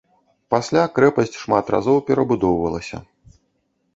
Пасля крэпасць шмат разоў перабудоўвалася.